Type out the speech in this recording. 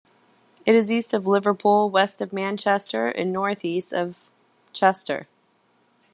It is east of Liverpool, west of Manchester, and northeast of Chester.